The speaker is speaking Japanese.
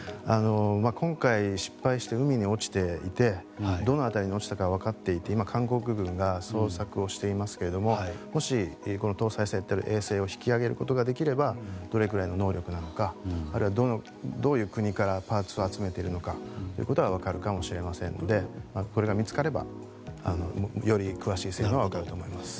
今回失敗して海に落ちていてどの辺りに落ちたか分かっていて今、韓国軍が捜索をしていますけれどももし、この搭載されている衛星を引き上げることができればどれくらいの能力なのかあるいは、どういう国からパーツを集めているのかということが分かるかもしれませんのでこれが見つかれば、より詳しい性能が分かると思います。